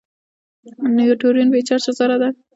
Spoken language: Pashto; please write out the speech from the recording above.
نیوټرون بې چارجه ذره ده.